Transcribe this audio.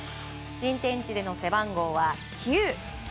新天地での背番号は、９。